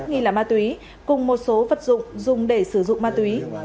nghi là ma túy cùng một số vật dụng dùng để sử dụng ma túy